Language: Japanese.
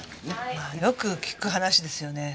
まあよく聞く話ですよね。